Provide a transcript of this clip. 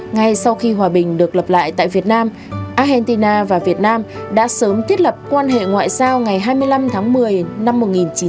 ngay sau khi hòa bình được lập lại tại việt nam argentina và việt nam đã sớm thiết lập quan hệ ngoại giao ngày hai mươi năm tháng một mươi năm một nghìn chín trăm bảy mươi